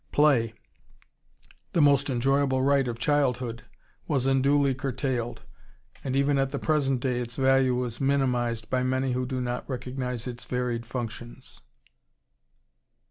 Play the most enjoyable right of childhood was unduly curtailed, and even at the present day its value is minimized by many who do not recognize its varied functions....